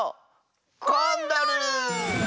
コンドル！